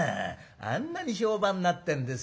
あんなに評判になってんですよ。